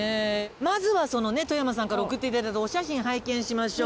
まずは外山さんから送って頂いたお写真拝見しましょう。